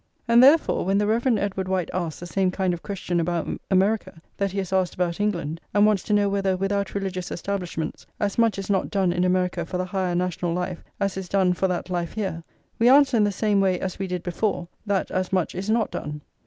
And, therefore, when the Rev. Edward White asks the same kind of question about America that he has asked about England, and wants to know whether, without religious establishments, as much is not done in America for the higher national life as is done for that life here, we answer in the same way as we did before, that as much is not done.